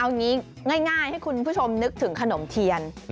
เอางี้ง่ายให้คุณผู้ชมนึกถึงขนมเทียน